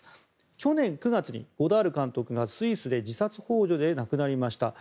去年９月にゴダール監督がスイスで自殺ほう助で亡くなりました。